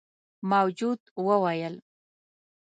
موجود وويل: